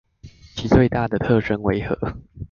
其最大的特徵為何？